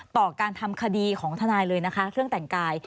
ต่อการทำคดีของทนายเลยนะคะเครื่องแต่งกาย